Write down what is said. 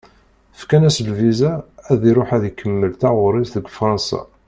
Fkan-as-d lviza ad iṛuḥ ad ikemmel taɣuṛi-s deg Fransa.